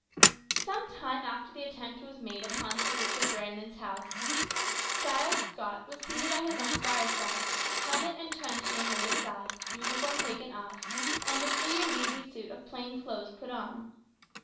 Some time after the attempt made upon Sir Richard Brandon's house, Giles Scott was seated at his own fireside, helmet and truncheon laid aside, uniform taken off, and a free and easy suit of plain clothes put on.